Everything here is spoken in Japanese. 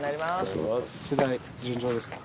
取材順調ですか？